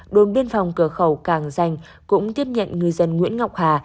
đồn biên phòng cửa khẩu càng dành cũng tiếp nhận ngư dân nguyễn ngọc hà